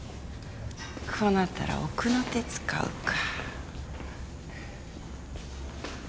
こうなったら奥の手使うか。